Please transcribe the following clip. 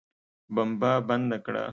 بمبه بنده کړه.